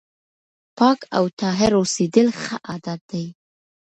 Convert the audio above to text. پاک او طاهر اوسېدل ښه عادت دی.